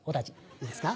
いいですか？